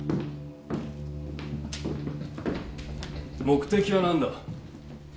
目的は何だ？